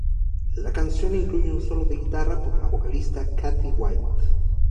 La canción incluye un solo de guitarra por la vocalista Katie White.